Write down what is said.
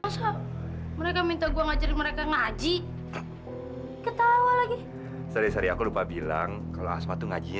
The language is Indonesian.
sampai jumpa di video selanjutnya